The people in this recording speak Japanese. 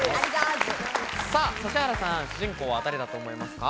指原さん、主人公は誰だと思いますか？